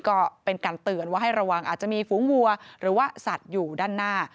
ก็เป็นการเตือนว่าให้ระวังอาจจะมีฝูงวัวหรือว่าสัตว์อยู่ด้านหน้า